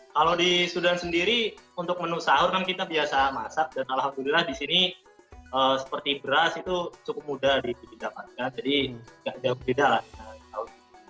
kalau di sudan sendiri untuk menu sahur kan kita biasa masak dan alhamdulillah di sini seperti beras itu cukup mudah didapatkan jadi nggak jauh beda lah